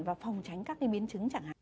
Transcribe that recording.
và phòng tránh các cái biến chứng chẳng hạn